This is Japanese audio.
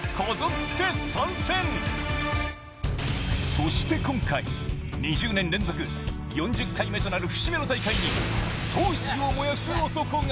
そして今回、２０年連続４０回目となる節目の大会に闘志を燃やす男が。